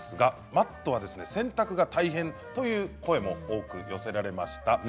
洗濯が大変という声も多く寄せられました。